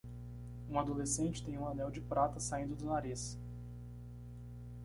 Um adolescente tem um anel de prata saindo do nariz.